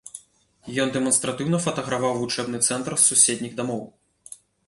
Ён дэманстратыўна фатаграфаваў вучэбны цэнтр з суседніх дамоў.